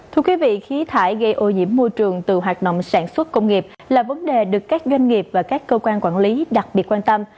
thưa quý vị khí thải gây ô nhiễm môi trường từ hoạt động sản xuất công nghiệp là vấn đề được các doanh nghiệp và các cơ quan quản lý đặc biệt quan tâm